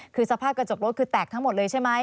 คือสภาพกระจกรถคือแตกทั้งหมดเลยใช่ไหม